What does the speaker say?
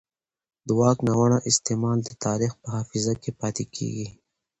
د واک ناوړه استعمال د تاریخ په حافظه کې پاتې کېږي